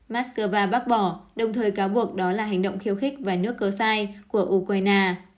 moscow bác bỏ đồng thời cáo buộc đó là hành động khiêu khích và nước cớ sai của ukraine